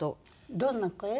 どんな声？